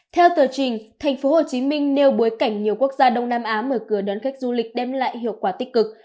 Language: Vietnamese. theo tờ trình tp hcm nêu bối cảnh nhiều quốc gia đông nam á mở cửa đón khách du lịch đem lại hiệu quả tích cực